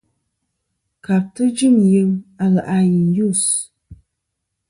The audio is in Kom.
Kabtɨ jɨm yem a lè' a i yus.